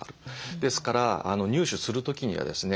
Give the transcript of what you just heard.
ですから入手する時にはですね